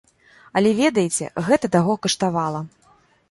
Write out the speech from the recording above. Але, ведаеце, гэта таго каштавала.